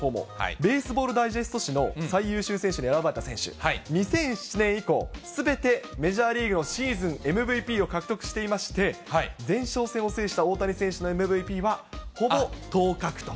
ベースボール・ダイジェスト誌の最優秀選手に選ばれた選手、２００７年以降、すべてメジャーリーグのシーズンＭＶＰを獲得していまして、前哨戦を制した大谷選手のＭＶＰはほぼ当確と。